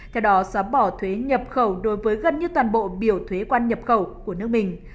theo đó xóa bỏ thuế nhập khẩu đối với gần như toàn bộ biểu thuế quan nhập khẩu của nước mình